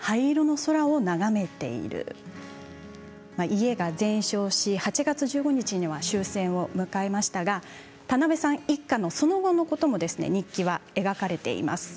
家が全焼し８月１５日には終戦を迎えましたが田辺さん一家のその後のことも日記は描かれています。